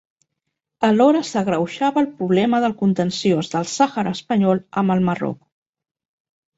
Alhora s'agreujava el problema del contenciós del Sàhara Espanyol amb el Marroc.